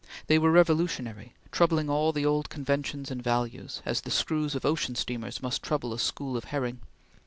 They were revolutionary, troubling all the old conventions and values, as the screws of ocean steamers must trouble a school of herring.